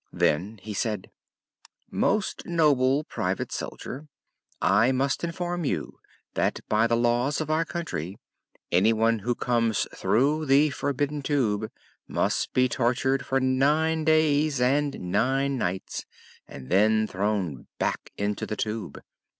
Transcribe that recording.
Then he said: "Most noble Private Soldier, I must inform you that by the laws of our country anyone who comes through the Forbidden Tube must be tortured for nine days and ten nights and then thrown back into the Tube.